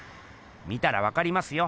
見たらわかりますよ！